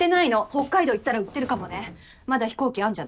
北海道行ったら売ってるかもねまだ飛行機あんじゃない？